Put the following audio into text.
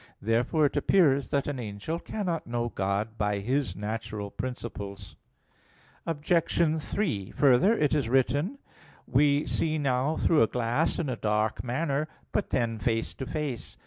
Therefore it appears that an angel cannot know God by his natural principles. Obj. 3: Further, it is written (1 Cor. 13:12): "We see now through a glass in a dark manner; but then face to face."